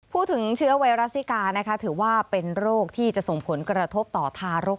พูดถึงเชื้อไวรัสซิกานะคะถือว่าเป็นโรคที่จะส่งผลกระทบต่อทารก